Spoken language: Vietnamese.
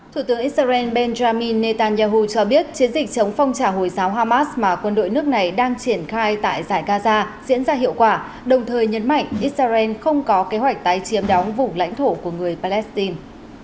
thủ tướng israel benjamin netanyahu cho biết chiến dịch chống phong trào hồi giáo hamas mà quân đội nước này đang triển khai tại giải gaza diễn ra hiệu quả đồng thời nhấn mạnh israel không có kế hoạch tái chiếm đóng vùng lãnh thổ của người palestine